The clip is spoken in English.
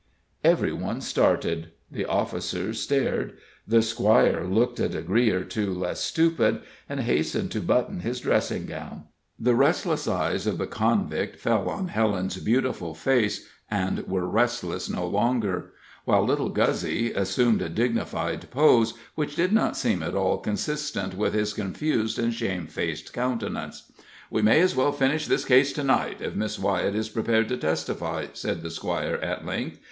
] Every one started, the officers stared, the squire looked a degree or two less stupid, and hastened to button his dressing gown; the restless eyes of the convict fell on Helen's beautiful face, and were restless no longer; while little Guzzy assumed a dignified pose, which did not seem at all consistent with his confused and shamefaced countenance. "We may as well finish this case to night, if Miss Wyett is prepared to testify," said the squire, at length.